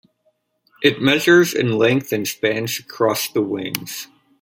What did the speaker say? It measures in length and spans across the wings.